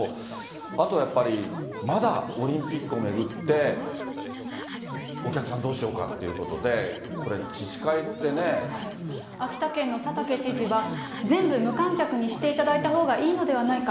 あとはやっぱり、まだオリンピックを巡って、お客さんどうしようかっていうことで、秋田県の佐竹知事は、全部無観客にしていただいたほうがいいのではないか。